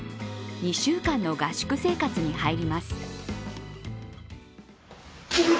２週間の合宿生活に入ります。